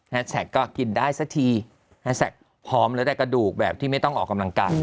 แฮนเซคพร้อมแล้วแต่กระดูกแบบที่ไม่ต้องออกกำลังกัน